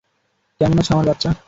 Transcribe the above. কেমন আছো আমার বাচ্চা?